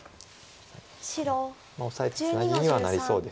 まあオサえてツナギにはなりそうですよね。